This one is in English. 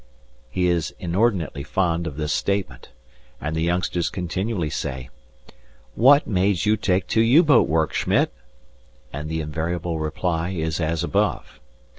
He is inordinately fond of this statement, and the youngsters continually say: "What made you take to U boat work, Schmitt?" and the invariable reply is as above.